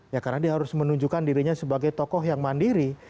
ya karena dia harus menunjukkan dirinya sebagai tokoh yang mandiri